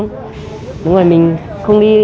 tám giờ sáng